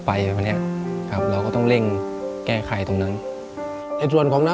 ในแคมเปญพิเศษเกมต่อชีวิตโรงเรียนของหนู